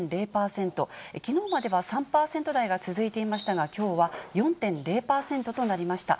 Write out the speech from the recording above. きのうまでは３％台が続いていましたが、きょうは４．０％となりました。